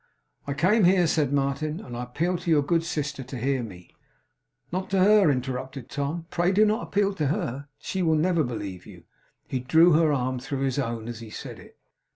'I came here,' said Martin; 'and I appeal to your good sister to hear me ' 'Not to her,' interrupted Tom. 'Pray, do not appeal to her. She will never believe you.' He drew her arm through his own, as he said it.